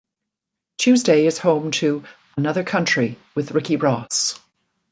Tuesday is home to "Another Country" with Ricky Ross.